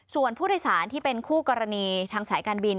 ส่วนผู้โดยสารที่เป็นคู่กรณีทางสายการบิน